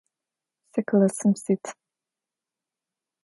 Сэ классым сит.